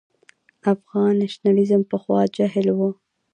افغان نېشنلېزم پخوا جهل و.